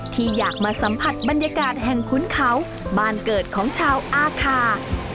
ที่อยากมาสัมผัสบรรยากาศแห่งคุ้นเขาบ้านเกิดของชาวอาคา